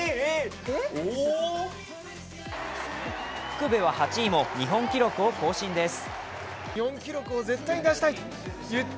福部は８位も日本記録を更新です。